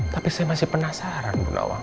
tapi saya masih penasaran bu nawang